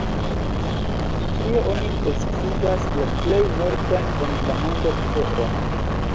Ĉi tie oni kreskigas la plej nordan en la mondo teon.